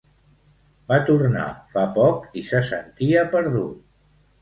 Va tornar fa poc i se sentia perdut.